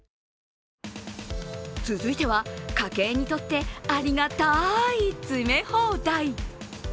続いては、家計にとってありがたい詰め放題。